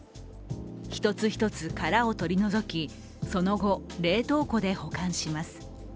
一つ一つ殻を取り除くその後、冷凍庫で保管します。